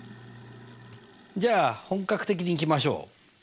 じゃあ本格的にいきましょう！